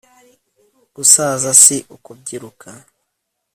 gusaza si ukubyiruka